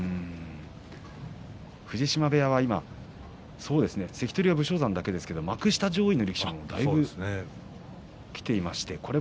藤島部屋は今関取は武将山だけですけども幕下上位の力士もいますね。